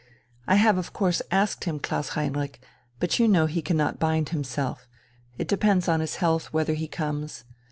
"I have of course asked him, Klaus Heinrich, but you know he cannot bind himself. It depends on his health whether he comes.